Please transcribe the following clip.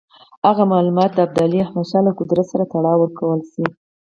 هغه معلومات دې د ابدالي احمدشاه له قدرت سره تړاو ورکړل شي.